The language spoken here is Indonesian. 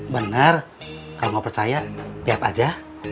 bener kalau nggak percaya lihat aja